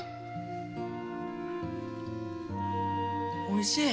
おいしい。